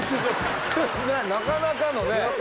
なかなかのね。